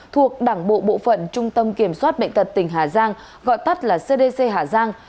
thuộc đảng bộ bộ phận trung tâm kiểm soát bệnh tật tỉnh hà giang gọi tắt là cdc hà giang